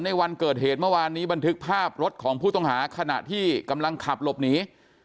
ในวันเกิดเหตุเมื่อวานนี้บันทึกภาพรถของผู้ต้องหาขณะที่กำลังขับหลบหนี